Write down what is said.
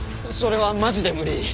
それはマジで無理。